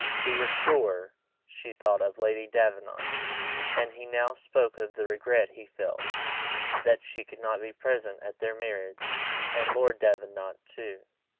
He was sure she thought of Lady Davenant; and he now spoke of the regret he felt that she could not be present at their marriage, and Lord Davenant too!